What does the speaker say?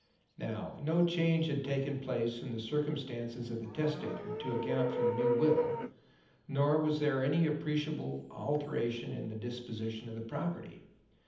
Now no change had taken place in the circumstances of the testator to account for the new will, nor was there any appreciable alteration in the disposition of the property.